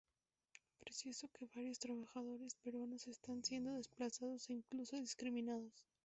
Precisó que varios trabajadores peruanos están siendo desplazados e incluso discriminados.